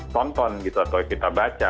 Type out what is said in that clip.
tonton atau kita baca